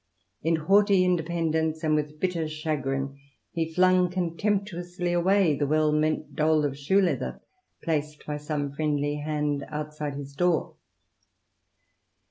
In haughty independence, and with bitter chagrin, he flung contemptuously away the well meant dole of shoe leather placed by some friendly^ hand outside his door.